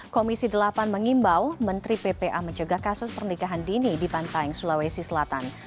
komisi delapan mengimbau menteri ppa menjaga kasus pernikahan dini di bantaeng sulawesi selatan